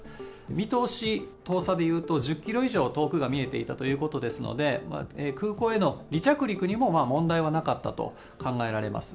見通し、遠さでいうと１０キロ以上遠くが見えていたということですので、空港への離着陸にも問題はなかったと考えられます。